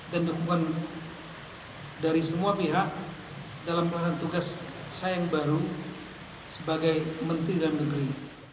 dan dukungan dari semua pihak dalam melakukan tugas saya yang baru sebagai menteri dalam negeri